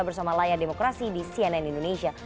bersama layar demokrasi di cnn indonesia